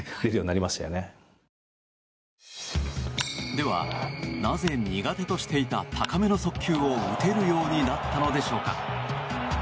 では、なぜ苦手としていた高めの速球を打てるようになったのでしょうか。